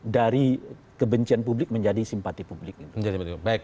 dari kebencian publik menjadi simpati publik